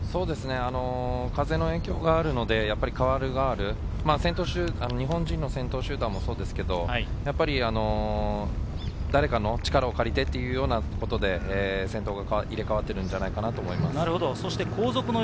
風の影響があるので代わる代わる日本人の先頭集団もそうですが、誰かの力を借りてというようなことで、先頭が入れ替わっているのではないかと思います。